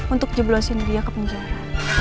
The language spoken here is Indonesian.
untuk jeblosin dia ke penjara